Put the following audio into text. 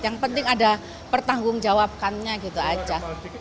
yang penting ada pertanggung jawabannya gitu aja